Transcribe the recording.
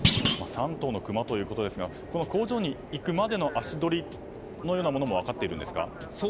３頭のクマということですが工場に行くまでの足取りというものも分かっているんですか？